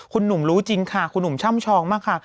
คุณหนุ่มรู้จริงค่ะคุณหนุ่มช่ำชองมากค่ะ